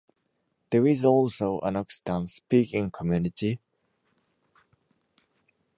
There is also an Occitan-speaking community.